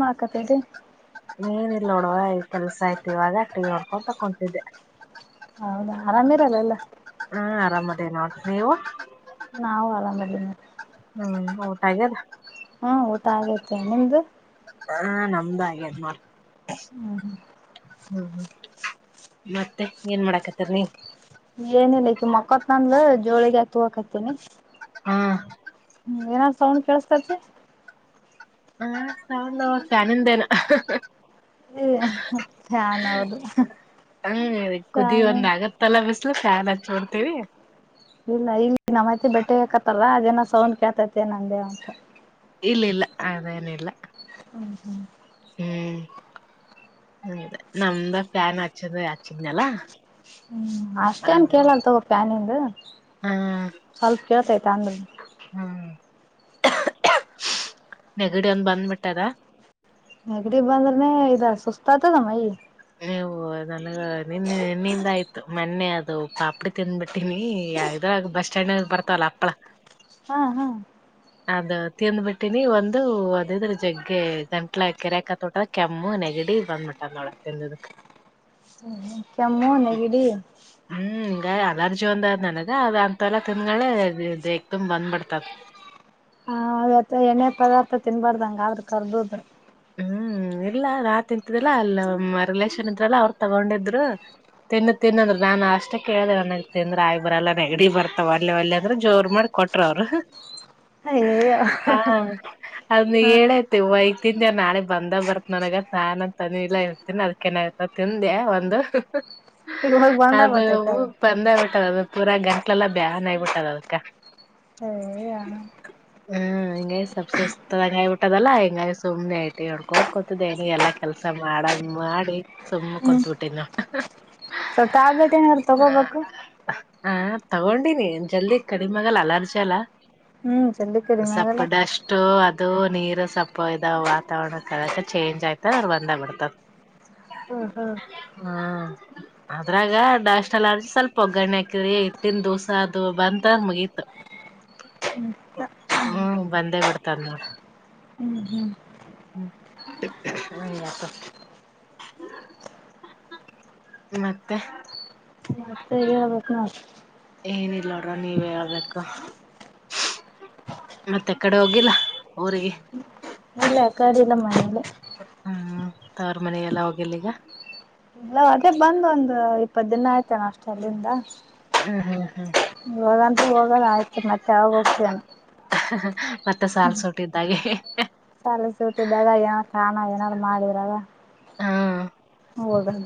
ಮಾ ಕತದೆ ಏನಿಲ್ಲ ನೋಡುವ ಕೆಲ್ಸ ಆಯ್ತಿು ಇವಾಗ ಟ ಹೊಡ್ಕೊಂಡು ತಕೊತಿದ್ದೆ ಹೌದಾ ಆರಾಮ ಇರಲ್ಲ ಎಲ್ಲ ಹ್ಮ ಆರಾಮದೇ ನೋಡ್ರಿ ನೀವು ನಾವು ಆರಾಮ ರ್ ಹ್ಮ್ ಊಟ ಆಗ್ಯದ ಊಟ ಆಗೈತೆ ನಿಮ್ದು ಹಾ ನಮ್ದ ಹಾಗೆದ ಮಾಡ ಹ್ಮ ಹ್ಮ ಮತ್ತೆ ಏನ್ ಮಾಡಾಕತ್ತಾರ ನೀ ಏನಿಲ್ಲಕ ಮಕ್ಕತ್ನಂದ ಜೋಳಿಗೆ ಹತ್ತ ಹಕತ್ತೇನಿ ಹ್ಮ್ ್ಮ ಏನಾದ್ ಸೌಂಡ್ ಕೇಳಸ್ತತಿ ಹಾ ಸೌಂಡ್ ಫ್ಯಾನ್ ಧೇನು ಫ್ಯಾನ್ ಹೌದು ಹ್ಮ ಕುದಿ ಫ್ಯಾನು ಒಂದ್ ಆಗತ್ತಲ್ಲ ಬಿಸ್ಲು ಫ್ಯಾನ್ ಹಚ್ಬಡ್ತೀವಿ ಇಲ್ಲ ಇಲ್ಲಿ ನಮ್ಮತ್ತ ಬೆಟ್ಟೆ ಹಾಕತ್ತಾರ ಅದೇನ ಸೌಂದ್ ಕ್ಯಾತೈತೆ ನನ್ ದೇವಂತ ಇಲ್ಲ ಇಲ್ಲ ಅದೇನ ಇಲ್ಲ ಹ್ಮ್ ಹ್ಮ್ ಹ್ಮ ಹ್ಮ ನಮ್ದ ಫ್ಯಾನ್ ಆ ಚೆನ್ನ ಹಚಿದ್ನಲ್ಲ ಹ್ಮ್ ಅಷ್ಟೇಏನ್ ಕೇಳಲ್ ತಗೋಪೆನನ್ ಹ ಹ್ಮ ಕೆತ ತಾಂದ ಹ್ಮ್ ನೆಗಡಿ ಒಂದ ಬಂದ್ಬಿಟ್ಟದ ನೆಗಡಿ ಬಂದ್ರನನೆ ಇದ ಸುಸ್ತ ಆತದ ಮೈ ನೀವು ನನಗ ನಿನ್ನ ನಿನ್ನಿಂದ ಆಯ್ತು ಮೊನ್ನೆ ಅದು ಪಾಪ್ಡಿ ತಿಂದ್ಬಿಟ್ಟೀನಿ ಇದ್ರಾಗ ಬಸ್ ಸ್ಟ್ಯಾಂಡ್ಾಗ ಬರ್ತವಲ್ಲ ಅಪ್ಳ ಹಾ ಹಾ್ ಅದ ತಿಂದ್ಬಿಟ್ಟಿನಿ ಒಂದು ಅದಿದ್ರ ಜಗ್ಗೆ ಗಂಟ್ಲ ಕೆರೆಕ ತೊಟ್ರ ಕೆಮ್ಮು ನೆಗಡಿ ಬಂದ್ಬಿಟದ ನೋಳ ತಿಂದದಕ್ ಕೆಮ್ಮು ನೆಗಡಿ ಹ್ಮ್ ಹಿಂಗ ಅಲರ್ಜಿ ಒಂದದ್ ನನಗ ಅದ ಅಂತ ಎಲ್ಲಾ ತಿಂದ್ಗೆ ದೇಗ ತುಂಬ್ ಬಂದ್ಬಿಡ್ತದ ಹತ್ತ ಎಣ್ಣೆ ಪದಾರ್ಥ ತಿನ್ಬಾರ್ದಂಗ ಆದ್ರರು ಕರ್ದದ್ರರು ಹ್ಮ್ ಇಲ್ಲ ನಾನ್ ತಿಂತಿದ್ದಿಲ್ಲ ಅಲ್ಲಮ್ಮ ರಿಲೇಷನ್ ಇದ್ರಲ್ಲ ಅವ್ರರು ತಗೊಂಡಿದ್ರು ತಿನ್ನು ತಿನ್ಂದ್ರ ನಾನ್ ಅಷ್ಟ ಕೇಳ್ದ ನನಗ್ ತಿಂದ್ರ ಆಗಿ ಬರಲ್ಲ ನ ಎಡಿ ಬರ್ತಾವ ಅಲ್ಲೆ ಒಲ್ಲೆ ಅಂದ್ರ ಜೋರ್ ಮಾಡಿ ಕೊಟ್ರ ಅವರು ಸ ಅದ್ ಹೇಳತಿ ವೈತಿ ೆ ನಾಳೆ ಬಂದ ಬರ್ತ್ ನನಗ ನಾನ ತನಿ ಇಲ್ಲ ಇರ್ತೀನಿ ಅದಕನ ಆಯತ ತಿಂದೆ ಒಂದು ಈಗ ಹೋಗಿ ಬಂದ ಅದು ಗೊತ್ತಾಯ್ತ ಬಂದೇ ಬಿಟ್ಟದದ ಪೂರಾ ಗಂಟ್ಲೆಲ್ಲ ಬ್ಯಾನ್ಗಬಿಟ್ಟದದಕ ಅಯ್ಯಯ್ಯೋ ಹ್ಮ ಹಂಗ ಸವಪ್ಪ ಸುಸ್ತದಂಗ ಆಬಿಟ್ಟದಲ್ಲ ಹಂಗ ಸುಮ್ನೆ ಐತಿ ಹೊಡ್ಕೋಂತ ಕುಂತಿದ್ದ ನ ಎಲ್ಲಾ ಕೆಲ್ಸ ಮಾಡದ್ ಮಾಡಿ ಸುಮ್ನೆ ಕುತ್ಬಟ್ಟಿನ ನ ಸೊಲ್ ಟ್ಯಾಬ್ಲೆಟ್ ಏನಾದಾರರು ತಗೋಬೇಕು ಹ ತಗೊಂಡೀನಿ ಜಲ್ದಿ ಕಡಿಮೆ ಆಗಲ್ಲ ಅಲರ್ಜಿ ಅಲ್ಲಾ ಹ್ಮ್ ಜಲ್ದಿ ಕಡಿಮೆ ಆಗಲ್ಲ ಸಪ್ಪುಡ ಅಷ್ಟು ಅದು ಇದು ನೀರ ಸಪ್ಪ ವಾತಾವರಣ ಕಕ ಚೇಂಜ್ ಆಯ್ತದ್ರ ಬಂದ ಬಿಡ್ತದ ಹಾ ಹಾ ಹ್ಮ ಅದ್ರಾಗ ಡಾಸ್ಲ್ಲ ಸ್ವಲ್ಪ ಒಗ್ಗರಣೆಕ ಇತ್ತನ್ ದಿವಸ ಅದು ಬಂತ ಮುಗೀತ ಹ್ಮ್ ಬಂದೇ ಬಿಡ್ತದ ನೋಡ್ರ ಹ್ಮ ಹತ್ತ ಮತ್ತೆ ಮತ್ತೆ ಹೇಳ್ಬೇಕಾ ನೋಡ್ ಏನಿಲ್ಲೋಡ್ರ ನೀವ್ ಹೇಳ್ಬೇಕು ಮತ್ತೆ ಕಡೆ ಹೋಗಿಲ್ಲ ಊರಿಗೆ ಇಲ್ಲ ಆ ಕಡೆ ಇಲ್ಲ ಎಲ್ಲ ಮನಲಿ ತವರು ಮನೆ ಎಲ್ಲ ಹೋಗಿಲಿ ಈಗ ಇಲ್ಲ ಅದೇ ಬಂದ ಒಂದು ಇಪ್ಪತ್ತು ದಿನ ಆಯ್ತನ್ ಅಷ್ಟು ಅಲ್ಲಿಂದ ಹ್ಮ್ ಹ್ಮ್ ಹ್ಮ್ ಹೋಗಂತ ಹೋಗದ ಆಯ್ತು ಮತ್ತೆ ಯಾವಾಗ ಹೋಗ್ತೇನ ಮತ್ತೆ ಸಾಲ್ ಸೋಟ್ಟಿದ್ದಾಗೆ ಸಾಲ ಸೂಟ್ಟಿದ್ದಾಗ ಏನಾದಾರ್ ಕಾಣ ಏನಾದ್ರು ಮಾಡಿದ್ರಾಗ ಹಾ ಹೋಗಲ್ಲ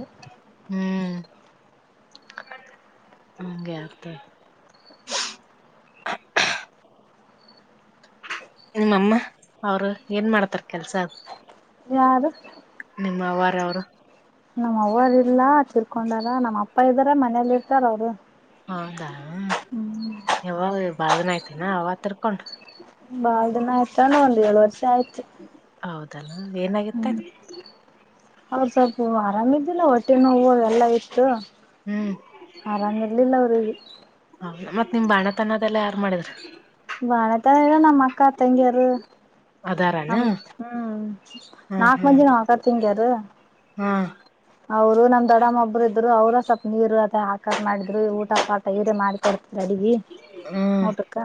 ಹ್ಮ್ ಹಂಗೆ ಆಯ್ತು ನಿಮ್ಮಮ್ಮ ಅವರು ಏನ್ ಮಾಡ್ತಾರ ಕೆಲ್ಸ ಯಾರು ನಿಮ್ಮ ಅವಾರ ಅವರು ನಮ್ಮ್ ಅವರು ಇಲ್ಲ ತಿರ್ಕೊಂಡಾರ ನಮ್ಮ್ ಅಪ್ಪ ಇದ್ದಾರ ಮನೇಲಿ ಇರ್ತಾರ ಅವರು ಹೌದಾ ಇವಾಗ ಬಾಳ್ದನ ಆಯತಿನ ಅವ್ವ ತಿರ್ಕೊಂಡ ಬಾಳ ದಿನ ಆಯ್ತನ್ ಎಳ ವರ್ಷ ಆಯ್ತು [inaudible] ಹೌದಾ ಹ ಏನಾಗಿತ್ತ ಅವ್ರ ಸ್ವಲ್ಪ ಆರಾಮ ಇಲ್ಲ ಹೊಟ್ಟೆ ನೋವು ಎಲ್ಲಾ ಇತ್ತು ಹ್ಮ್ ಆರಾಮಾಗಿರ್ಲಿಲ್ಲ ಅವ್ರಿಗೆ ಹೌದ ಮತ್ ನಿಮ್ ಬಾಣತನದೆಲ್ಲ ಯಾರ್ ಮಾಡಿದ್ರರು ಬಾಳತನ ಅದಾರಾನ ನಮ್ದ್ ಹ್ಮ್ ನಾಕ್ ಮಂದಿನ ಅಕ್ಕ-ತಂಗಿಯರು ಹಾ ಅವ್ರು, ನಮ್ ದೊಡಮ್ಮೊಬ್ರು! ಇದ್ರು, ಅವ್ರರು ಸ್ವಲ್ಪ, ನೀರು, ಅ, ಹಾಕತ್, ಮಾಡಿದ್ರು, ಊ. [inaudible] ಪಾಠ, ಗಿಟ, ಮಾಡಿಕೊಂಡೋಧುರೀ, ಅಡಗಿ ಹ್ಮ್ ಊಟಕ್ಕ,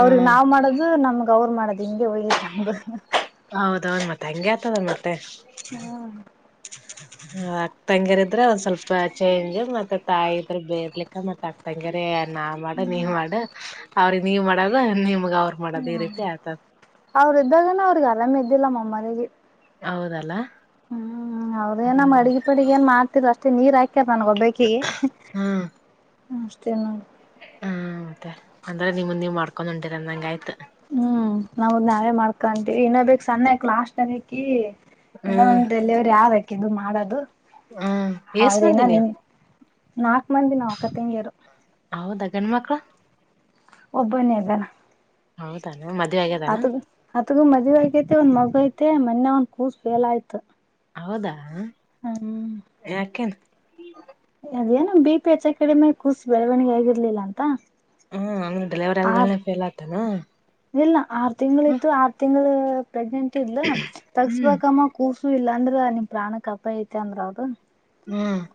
ಅವ್ರಗ್, ಹ್ಮ್ ನಾವ್ ಮಾಡದು ನಮಗ್. [inaudible] ಗೌರ್, ಮಾಡದು, ಹಿಂಗೆ, ಹೋಯ್ತಾ. [inaudible] ಹ, ಹಾ. [unintelligible] ಹೌದೌದು, ಮತ್, ಹಾಂಗೆಆಯ್ತದೆ, ಮತ್ತೆ. [inaudible] ಮತ್ತೇ. [unintelligible] ಅಕ್ಕತಂಗಿಯ್ರ್, ಇದ್ರೆ, ಒಂದ್, ಸ್ವಲ್ಪ ಚೇಂಜ್ ಮತ್ತೆ, ತಾಯಿ ಇದ್ರ ಬೇರ್ಲಿಕ್ಕ! ಮತ್ತೆ ಅಕ್ಕ ತಂಗರಿ. [unintelligible] ನಾ, ಮಾಡೂ, ನೀವ್ ಮಾಡೂ, ಅವ್ರಿಗೆ ನೀವ್ ಮಾಡೂ. [inaudible] ತಾಕೋ, ನೀಮ್. [inaudible] ಹ್ಮ್, ಅವ್ರ, ಇದ್ದಾಗನ! ಅ, ಅವ್ರಿಗೆ ಆರಾಮ ಇದ. [inaudible] ಇಲಾಮಾ, ಮಳಿ. [inaudible] ಹೌದಲ್ಲಾ! [inaudible] ಹ್ಮ್.. [inaudible] ಹ್ಮ್, ಹೌದೇ, ನಮ್ಮ್ ಅಡಗೆ ಪಡಗೆ, ಏನ್ ಮಾಡು. [inaudible] ಈಕಡೆ, ಅಷ್ಟೇ, ನೀರ್ ಆ. [inaudible] ತನ್ಗೊ, ಬೇಕೇ. [inaudible] ಅಸ್ಟೆನ್ನು. [inaudible] ಹ್ಮ್ಮ್, ಮತ್ತೆ, ಅಂದ್ರೆ, ನಿಮ, ನೀವ್, ಮಾಡ್ಕೊಂಡು, ಬ್ಯಾಂಡ್ಹುರೊಂಗೆ, ಅಯ್ತು. [inaudible] ಹ್ಮ್, ನಾವ್ ನಾವೇ ಮಾಡ್ಕೊಂತೀವಿ ಇನ್ನ ಬೇಕು ಸಣ್ಣಕ್, ಲಾಸ್ಟ್ ಅನೇಕಿ. [inaudible] ಹ್ಮ್ ಇನ್ನೊಂದು, ಎಲ್ಲಿವರು, ಯಾರು. [inaudible] ಇದು, ಮಾಡೋದು? [inaudible] ಹ್ಮ್, ಎಸ್ಟ್ ಮಂದಿ ನೀವು. [inaudible] ಮಂಧಿನಕಾತಂಗಿವರು. [inaudible] ಹೌದ, ಗಂಡು, ಮಕ್ಕಳ್ಳು. [inaudible] ಒಬನೀಧನಾ. [inaudible] ಹೌದಾ. [inaudible] ಅತ್ತುಗು, ಅತ್ತುಗು, ಮದುವೇ, ಆಗಿತೇನು ಒಂದ್ ಮಗು ಐತಿ. [inaudible] ಮತ್ತೆ, ಮೊನ್ನೆ ಒಂದು, ಕೂಸು, ಫೈಲ್, ಆಯ್ತು. [inaudible] ಹೌದಾ.. [inaudible] ಹ್ಮ್.. ಯಾಕೆನ್ [inaudible] ಅದೇನು, ಬಿ, ಪಿ, ಎಚ್. ಕಾಡೆಮಿ, ಕೂಸಿ ಬೆಳವಣಿಗೆ, ಆಗಿರ್ಲಿಲ್ಲ, ಅಂತ. [inaudible] ಹ್ಮ್, ಹಂಗೂ. [inaudible] ಡ್ರೈವರ್, ಆರ್ ಹೇಧಾನೆ, ಫೇಲ್, ಹಾಗುತಾನ. [inaudible] ಇಲ್ಲ, ಆರ್ ತಿಂಗಳು, ಇತ್ತು ಆರ್ ತಿಂಗಳು. [inaudible] ಪ್ರೆಗ್ನೆಂಟ್, ಇಲ್ಲ, ಹ್ಮ್ ತಗಸ್ಬೇಕಮ್ಮ, ಕೂಸು. [inaudible] ಇಲ್ಲಾಂದ್ರ, ನಿಮ್ ಪ್ರಾಣಕ್, ಅಪ್ಪಾಯಾ, ಐತೆ ಅಂದ್ರ, ಅವರು. [inaudible] ಹ್ಮ್.. [inaudible]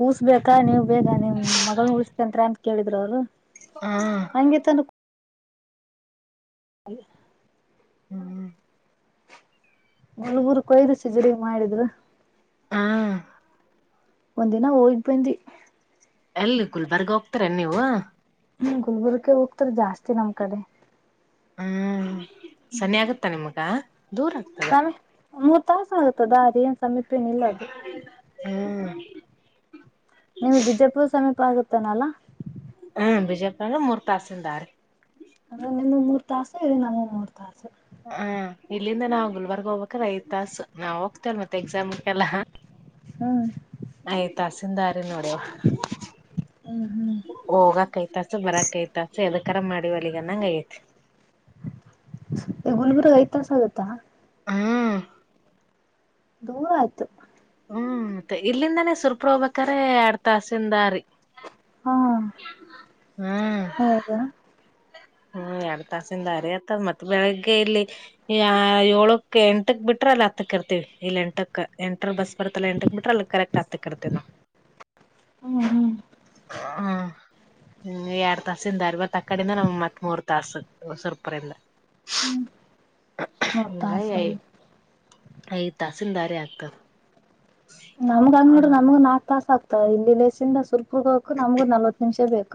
ಕೂಸ್ ಬೇಕಾ ನೀವ್ ಬೇಗ ನಿಮ್ ಮಗಳನ ಉಳತಂತ್ರ ಅಂತ ಕೇಳಿದ್ರು ಅವ್ರು ಹಾ ಹಂಗೆ ಹಾಗ ಹ್ಮ್ ನಲ್ಗರು ಕೊಯ್್ದಸ ಜ್ರ ಮಾಡಿದ್ರು ಹಾ ಒಂದ ದಿನ ಓೋಗಬಯಂತಿ ಎಲ್ಲಿ ಗುಲ್ಬರ್ಗ ಹೋಗ್ತಾರ ನೀವು ಹ್ಮ್ ಗುಲ್ಬುರ್ಗ್ಗ ಹೋಗ್ತಾರ ಜಾಸ್ತಿ ನಮ್ ಕಡೆ ಹ್ಮ್ ಸನಿ ಆಗುತ್ತಾ ನಿಮ್ಗ ಸಮಯ ಮೂರ್ ತಾಸ ಆಗುತ್ತದ ಅದ ಏನ್ ಸಮೀಪೇನಿಲ್ಲ ಅದು ಹ್ಮ್ ನಿಮ್ ಬಿಜಾಪುರ ಸಮೀಪ ಆಗುತ್ತ ಹನಲ್ಲ ಹ್ಮ್ ಬಿಜಯಪಲ್ಲ ಮೂರು ತಾಸೀಲ್ದಾರಿ ಅಂದ್ರೆ ನಿಮ ಮೂರ್ ತಾಸು ಇದೆ ನಮ ಮೂರ್ ತಾಸು ಹ ಇಲ್ಲಿಂದ ನಾವವು ಗುಲ್ಬರ್ಗ್ ಹೋಗ್ಬೇಕ್ರ ಐ ತಾಸು ನಾವ ಹೋಗ್ತೇವ ಮತ್ತೆ ಎಕ್ಸಾಮಕ್ಕೆಲ್ಲ ಹ್ಮ ಆ ತಾಸಿಂದ ನೋಡಿ ಹ್ಮ್ ಹ್ಮ್ ಹೋಗಕ್ ಐತಾಸ ಬರಕ್ ಐತಾಸ ಎದಕರ ಮಾಡಿವಲ್ಲಿ ಈಗ ನಂಗ ಐತಿ ಗುಲ್ಬುರ್ಗ ಐ ತಾಸ ಆಗತ್ತಾ ಹ್ಮ್ ದೂರ ಆಯ್ತು ಹ್ಮ್ ಮತ್ತೆ ಇಲ್ಲಿಂದಾನೇ ಸುರ್ಪ ಹೋಗ್ಬೇಕ್ರೆ ಎಡ್ ತಾಸಿಂದಾರಿ ಹಾ ಹ್ಮ್ ಹೌದಾ ಹ್ಮ್ ಎರಡ್ ತಾಸಿಂದ ಅರಿ ಆತದ ಮತ್ತ ಬೆಳಗ್ಗೆ ಇಲ್ಲಿ ಏಳಕ್ ಎಂಟಕ್ ಬಿಟ್ರ ಅಲ್ಲಿ ಹತ್ತಕ್ ಇರ್ತಿವಿ ಇಲ್ಲಿ ಎಂಟಕ್ ಎಂಟ್ರ ಬಸ್ ಬರ್ತ್ತಲ್ಲ ಎಂಟಕ್ ಬಿಟ್ರ ಅಲ್ಲಿ ಕರೆಕ್ಟ್ ಹತ್ತಕ್ ಇರ್ತಿೇವ ನಾವ ಹ್ಮ್ ಹ್ಮ್ ಹ್ಮ ಹ್ಮ್ ಎರಡ್ ತಾಸ ಇಿಂದ ಅವತ್ ಆ ಕಡಿಂದ ನಮ್ ಮತ್ತ್ತ ಮೂರು ತಸ ಚೆರುಪರೆಯಿಂದ ಬತ್ತ ಹಾಸ ಯ್ ತಹಸೀಲ್ದಾರಿ ಆಗ್ತದ ನಮ್ಗಂಗ ನೋಡ್ರ ನಮಗಗ್ ನಾಕಕ್ ತಾಸ ಆಗ್ತದೆ ಇಲ್ಲಿ ಲೇಸಿಂದ ಸ್ವಲ್ಪ ಹಗೋಕು ನಮಗು ನಲ್ವತ್ತು ನಿಮಿಷ ಬೇಕು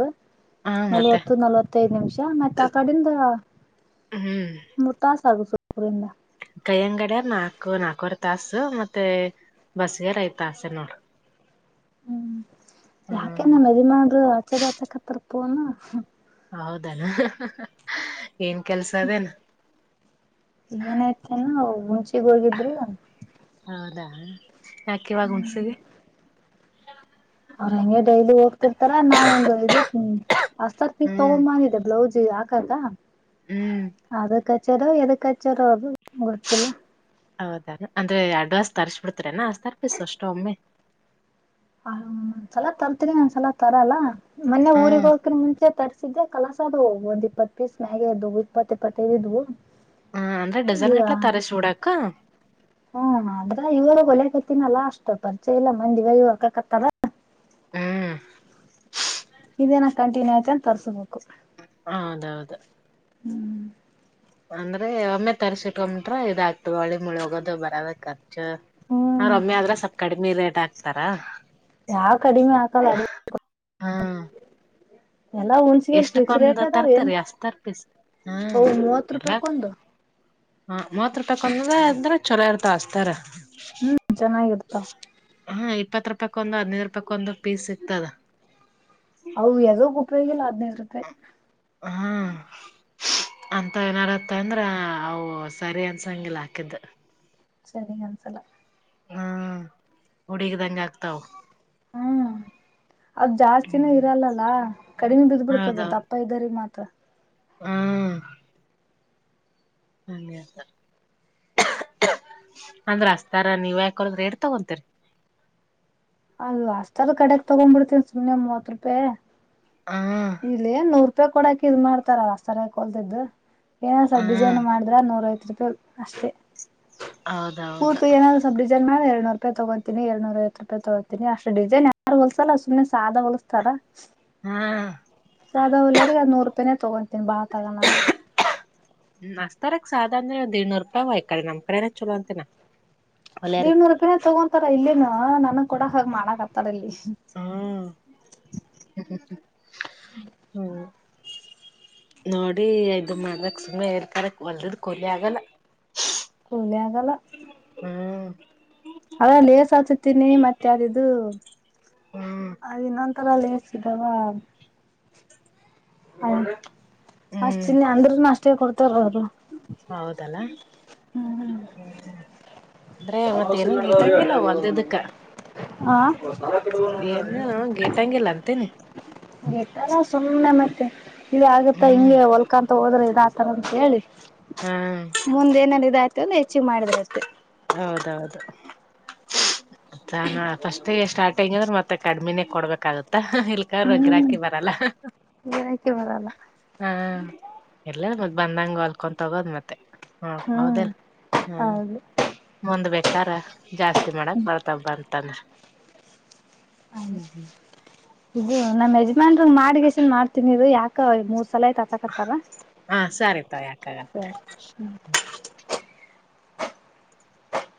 ಹ ಮತ್ತೆ ನಲವತ್ತು ನಲವತ್ತೈದು ನಿಮಿಷ ಮತ್ತೆ ಆ ಕಡಿಂದ ಮೂರು ತಾಸ ಆಗಸ ಹರ ಕೈ್ಯ ಅಂಗಡ ನಾಕು ನಾಕವರ್ ತಾಸು ಮತ್ತೆ ಬಸಗೆಾರ ಐದ ತಾಸೆ ನೋಡ್ರಿ ಹ್ಮ್ ಯಾಕೆ ನ್ ಮದಿ ಮಾಡ್ರು ಆಚಾರಿ ಆಚಕತ್ತರ್ ಪಣ ಹೌದಣ ಏನ್ ಕೆಲ್ಸವೇನ ಏನಾಯ್ತಲ್ಲ ಮುಂಚೆ ಚಿಗೋಗಿದ್ದ್ರಲ್ಲ ಅದಾ ಯಾಕೆ ಇಿವಾಗ ಹುಣಸಿಗೆ ಹ್ಮ ಅವ್ರ ಹಂಗೆ ಡೈಲಿ ಹೋಗ್ತಿರ್ತಾರ ನಾನನ್ ಒಂದು್ ಐದು ಹಷ್ಟತ್ ಪೀಸ್ ಹ್ಮ್ ತಗೊಂಬಂದಿದೆ ಬ್ಲೌಸ್ ಹಾಕದಾ ಹ್ಮ್ ಅದಕ್ಕೆ ಚರೋ ಎದಕ್ಕಾಚರೋ ಅದು ಗೊತಿಲ್ಲ ಹೌದ ಅಂದ್ರೆ ಅಡ್ವಾನ್ಸ್ ತರಿಸಸಡ್ತರನಾ ತರ್ಪಿಸ ಅಷ್ಟ ಒಮ್ಮೆ ಹ ಸಲ ತರ್ತೀರಿ ಒನ್ ಸಲ ತರಲ್ಲ ಮನ್ನೆ ಹ ಊರಿಗೆ ಹೋಗ್ತ್ರೆ ಮುಂಚೆ ತರ್ ಸಿದ್ಯ ಕಲಸ ಅದುವೇ ಅವು ಇಪ್ಪತ್ತು ಪೀಸ್ ಮ್ಯಾಗೆ ಅದ್ದವು ಇಪ್ಪತ್ತ ಇಪ್ಪತ್ತೈರ ಇದ್ವು ಹ ಅಂದ್ರೆ ಡಜೈನ್ ಈಗ ಗಟ್ಲ ತರ ಚೂಡಾಕ್ಕ ಹ್ಮ್ ಆದ್ರ ಇವರು ಒಲಕತ್ತಿನಲ್ಲ ಅಷ್ಟು ಪರಿಚಯ ಇಲ್ಲ ಮಂದಿಗ ಇವಕಕತ್ತಾರ ಹ್ಮ್ ಇದೇನ ಕಂಟಿನ್ಯೂ ಆಯತ ಅನ್ ತರ್ಸಬೇಕು ಹೌದೌದು ಅಂದ್ರೆ ಒಮ್ಮೆ ತರ್ಸಿಕಟ್ರ ಇದಾಗ್ತದೆ ಹೊಳ್ಳಿ ಮುಳಿ ಹೋಗೋದ ಬರದಂತ ನಾ ಹ್ಮ್ ರೋಮ್ಮೆ ಆದ್ರೆ ಸ್ವಲ್ಪ ಕಡಿಮೀ ರೇಟ್ ಆಗ್ತ ತಾರಾ ಯಾವ ಕಡಿಮೆ ಆಕಲ್ಲ ಹಾ ಹುಣ್ಸಗಲ್ ಫಿಕ್ಸ್ ರೇಟ್ ಎಷ್ಟಕ್ಕೊಂದು ಅದಾವ ಏನ್ ತರ್ತರಿ ಅಷ್ಟ ತರ್ಪೀ ಹ್ಮ ಅವು ಮೂವತ್ ಎಲ್ಲ ರೂಪಾಯಕ್ ಒಂದು ಮೂವತ್ ರೂಪಾಯ ಕೊಂದ ವ ಅಂದ್ರ ಚಲೋ ಇರ್ತಾ ಹಸ್ತಾರೆ ಹ್ಮ್ ಚೆನ್ನಾಗಿರ್ತ ಹಾ ಇಪ್ಪತ್ ರೂಪಾಯಿ ಕೊಂದು ಹದ್ನೈದು ರೂಪಾಯಕ್ ಒಂದು ಪೀಸ್ ಸಿಗ್ತದ ಅವು ಎದುಕು ಉಪಯೋಗ ಇಲ್ಲ [unintelligible] ಹ್ಮ ಅಂತ ಏನಾರು ತಂದ್ರಾ ಅವು ಸರಿ ಅನ್ಸಂಗಿಲ್ಲ ಹಾಕಿದ್ದ ಸರಿ ಕನ್ಸಲ ಹ್ಮ ಹುಡಿಗ್ದಂ ಆಗ್ತಾವ ಹ್ಮ್ ಅದು ಜಾಸ್ತಿನೂ ಇರಲ್ಲಲ್ಲ ಕಡಿಮೆ ಬಿದ್ ಬಿಡ್ತದ ದಪ್ಪ ಇದಾರೆ ಮಾತ್ರ ತ್ತ ಹ್ಮ ಹಾಗ ಅಂದ್ರ ಅಸ್ತಾರ ನೀವ್ ಯಾಕಕೊಳದ್ರೆ ರೇಟ್ ತಗೊಂತರಿ ಅಲ್ವಾ ಅಷ್ಟಾರ ಕಡೆಗ್ ತಗೊಂಡ್ಬಿಡ್ತವಿ ಸುಮ್ನೆ ಮೂವತ್ ರೂಪಾಯಿ ಹ್ಮ್ ಇಲ್ಲಿ ಎನ್ ನೋರ್ ಕೊಡಾಕ ಇದ್ ಮಾಡ್ತಾರ ಸರ ಹೊಲ್ತಿದ್ದು ಏನೋ ಸ್ವಲ್ ಹ್ಮ್ ಡಿಸೈನ್ ಮಾಡಿದ್ರಾ ನೂರ್ ಐವತ್ತು ಅಷ್ಟೇ ಹೌದೌದು ಪೂರ್ತಿ ಏನಾದ್ರು ಸ್ವಲ್ಪ ಡಿಸೈನ್ ಮಾಡ್! ! ಎರಡುನೂ ರೂಪಾಯಿ ತಗೊತಿನಿ ಎರಡ್ನೂ ಐವತ್ತು ರೂಪಾಯಿ ತಗೋತಿನಿ ಅಷ್ಟ ಡಿಸೈನ್ ಯಾರು ಹೊಲಸಲ್ಲ ಸುಮ್ನೆ ಸಾದಾ ಹೊಲಸ್ತಾರ ಹಾ ಸದಾ ಹೊಳೆಯವರಿಗೆ ನೂರುಪಾಯಿನೆ ತಕೊಂತೀನಿ ಬಾಳ್ ತಗನಲ್ಲ ನನಸ್ತರಕ್ಕ ಸಾಧಾರಣ ಒಂದು ಇನ್ನೂರು ರೂಪಾಯಿ ಹೊಳಿತಾರೆ ನಮ್ಮ ಕಡೆನ ಚಲೋ ಅಂತಿನಿ ಎಡ್ನೂರು ರೂಪಾಯಿ ತಗೋಂತಾ ರೆ ಇಲ್ಲೇನು ನನಗ್ ಕೂಡ ಹ ಮಾಡಕಾತರ ಇಲ್ಲಿ ಹ್ಮ ಹ್ಮ ನೋಡಿ ಇದು ಮಾಡ್ಬೇಕಕ್ ಸುಮ್ಮನೆ ಇರ್ತಾರೆ ಹೊಲ್ಡ್ ಕೊಲಿ ಆಗಲ್ಲ ಕುಲಿಯಾಗಲ್ಲ ಹ್ಮ್ ಅದೇ ಲೇಸ್ ಹಾಕುತೀನಿ ಮತ್ತೆ ಅದು ಇದು ಹ್ಮ್ ಇನ್ನೊಂತರ ಲೇಸ್ ಇದ್ದವ ಹ ಹ್ಮ್ ಅಷ್ಟಿನಿ ಅಂದ್ರೂನು ಅಷ್ಟೇ ಕೊಡ್ತಾರೇ ಅವರು ಹೌದಲ್ಲ ಅಂದ್ರೆ ಮತ್ತೇನ ಗಿಟಂಗಿಲ್ಲ ಹೊಲ್ದದಕ್ಕ ಹ ಏನು ಗೇಟಂಗಿಲ್ಲ ಅಂತೇನಿ ಗಿಟ್ಟಲ್ಲ ಸುಮ್ಮ್ನೆ ಮತ್ತೆ ಇಲ್ಲಿ ಆಗುತ್ತಾ ಹ್ಮ್ ಹಿಂಗೆ ಹೊಲ್ಕಾಂತ ಹೋದ್ರೆ ಇದಾತರ ಅಂತ ಹೇಳಿ ಹಾ ಮುಂದೆ ಏನಾರ ಇದ ಆಯ್ತು ಅಂದ್ರೆ ಮಾಡಿಬಿಡೋದು ಹೌದೌದು ನಾನು ಫಸ್ಟ್ ಸ್ಟಾರ್ಟಿಂಗ್ ಅಂದ್ರೆ ಮತ್ತೆ ಕಡ್ಮಿನೇ ಕೊಡ್ಬೇಕಾಗುತ್ತ ಇ ಹ್ಮ್ ಗಿರಾಕಿ ಬರಲ್ಲ ಗಿರಾಕಿ ಬರಲ್ಲ ಹ್ಮ ಎಲ್ಲ ಮತ್ ಬಂದಂಗ ಹೊಲ್ಕೊತ ಹೋಗೋದು ಮತ್ತೆ ಹಾ ಹ್ಮ್ ಹೌದಲ್ಲ ಹ್ಮ್ ಹೌದು ಮುಂದ್ ಬೇಕಾರ ಜಾಸ್ತಿ ಮಾಡಕ್ ಬರ್ತ ಬರುತ್ತೆ ಅಂದ್ರೆ ಹಾಗೆ [unintelligible] ಇದು ನಮ್ಮ ಯಜಮಾನ್ರಂಗ್ ಮಾಡಿಗಿಸಿನ್ ಮಾಡ್ತನಿರು ಯಾಕ ಮೂ! ! ಸಲೈ ಆತಕತ್ತಾರ ಹಾ ಸರಿತವ ಯಾಕಾಗ ಸರಿ